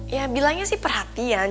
ya bilangnya sih perhatian